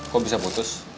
kok bisa putus